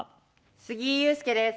杉井勇介です。